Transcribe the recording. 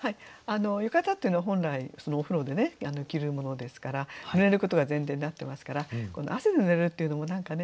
浴衣っていうのは本来お風呂で着るものですからぬれることが前提になってますから汗でぬれるっていうのも何かね